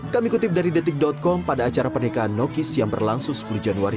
kami kutip dari detik com pada acara pernikahan nokis yang berlangsung sepuluh januari